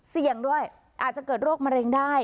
เสี่ยงด้วยอาจจะเกิดโรคมะเร็งได้